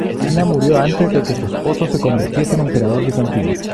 Ana murió antes de que su esposo se convirtiese en emperador bizantino.